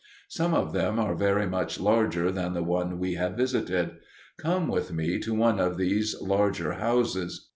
Some of them are very much larger than the one we have visited. Come with me to one of these larger houses.